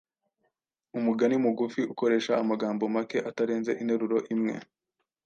Umugani mugufi ukoresha amagambo make atarenze interuro imwe.